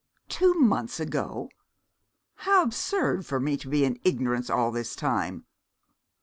'Two months ago. How absurd for me to be in ignorance all this time!